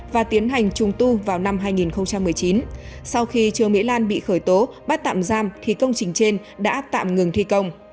và tiến hành trùng tu vào năm hai nghìn một mươi chín sau khi trương mỹ lan bị khởi tố bắt tạm giam thì công trình trên đã tạm ngừng thi công